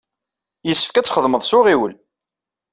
Yessefk ad txedmeḍ s uɣiwel.